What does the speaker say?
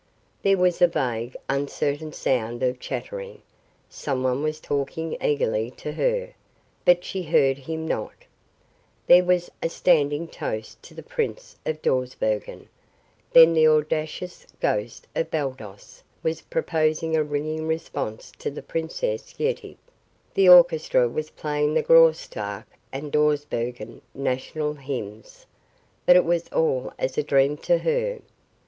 There was a vague, uncertain sound of chattering; someone was talking eagerly to her, but she heard him not; there was a standing toast to the Prince of Dawsbergen; then the audacious ghost of Baldos was proposing a ringing response to the Princess Yetive; the orchestra was playing the Graustark and Dawsbergen national hymns. But it was all as a dream to her.